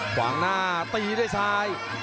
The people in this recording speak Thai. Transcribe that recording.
ขวางหน้าตีด้วยซ้าย